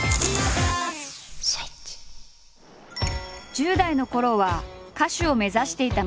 １０代のころは歌手を目指していた松下。